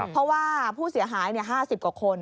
เพราะว่าผู้เสียหาย๕๐กว่าคน